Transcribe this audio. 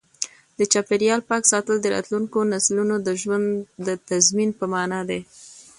د چاپیریال پاک ساتل د راتلونکو نسلونو د ژوند د تضمین په مانا دی.